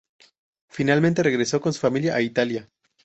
Finalmente, regresó con su familia a Italia.